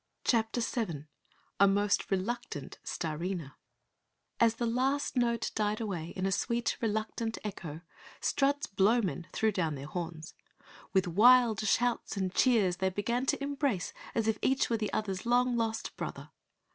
CHAPTER 7 A Most Reluctant Starina As the last note died away in a sweet, reluctant echo, Strut's Blowmen threw down their horns. With wild shouts and cheers they began to embrace as if each were the other's long lost brother.